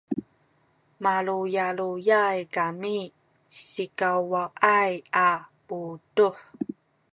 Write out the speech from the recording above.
maluyaluyay kami sikawaway a puduh